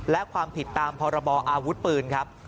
และความผิดตามพรบออาวุธปืนครับ